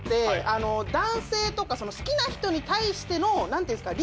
好きな人に対しての何ていうんですか？